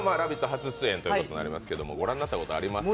初出演ということになりますがご覧になったことはありますか？